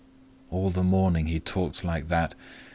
All the morning he talked like that.